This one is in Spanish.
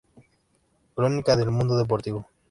Crónica de Mundo Deportivo